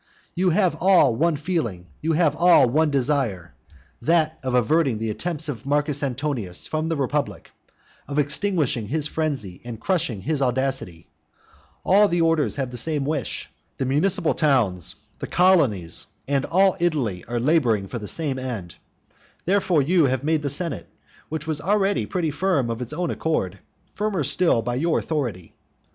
You have all one feeling, you have all one desire, that of averting the attempts of Marcus Antonius from the republic, of extinguishing his frenzy and crushing his audacity. All orders have the same wish. The municipal towns, the colonies, and all Italy are labouring for the same end. Therefore you have made the senate, which was already pretty firm of its own accord, firmer still by your authority.